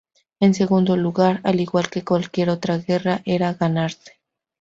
En segundo lugar, al igual que cualquier otra guerra, era ganarse.